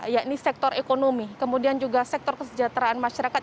ya ini sektor ekonomi kemudian juga sektor kesejahteraan masyarakat